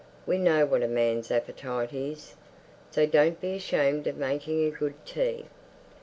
We know what a man's appetite is. So don't be ashamed of making a good tea."